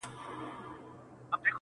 که هر څو یې کړېدی پلار له دردونو-